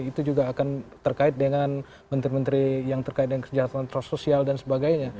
itu juga akan terkait dengan menteri menteri yang terkait dengan kesejahteraan sosial dan sebagainya